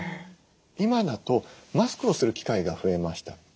今だとマスクをする機会が増えました。